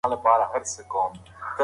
مسواک وهل د مسلمانانو یو غوره کلتور دی.